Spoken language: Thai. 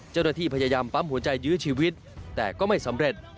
เจ้าหน้าที่พยายามปั๊มหัวใจยื้อชีวิตแต่ก็ไม่สำเร็จ